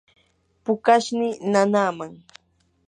pukashnii nanaaman.